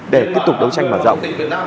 để tiếp tục đấu tranh mở rộng